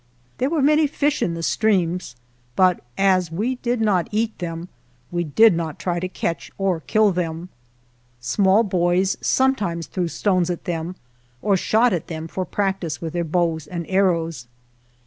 There were many fish in the streams, but as we did not eat them, we did not try to catch or kill them. Small boys sometimes threw stones at them or shot at them for practice with their bows and arrows.